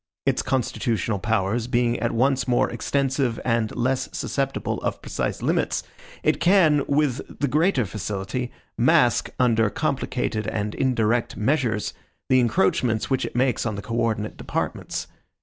Its constitutional powers being at once more extensive, and less susceptible of precise limits, it can, with the greater facility, mask, under complicated and indirect measures, the encroachments which it makes on the co ordinate departments.